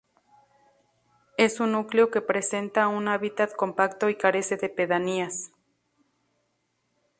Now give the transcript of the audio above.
Es un núcleo que presenta un hábitat compacto y carece de pedanías.